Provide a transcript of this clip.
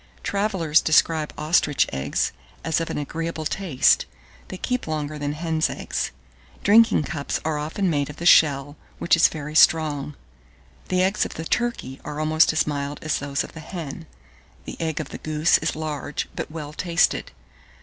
Travellers describe ostrich eggs as of an agreeable taste: they keep longer than hen's eggs. Drinking cups are often made of the shell, which is very strong. The eggs of the turkey are almost as mild as those of the hen; the egg of the goose is large, but well tasted.